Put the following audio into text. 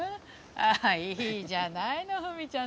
いいじゃないのフミちゃん